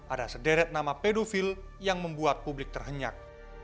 ada sederet nama pedofil yang membuat publik terhenyak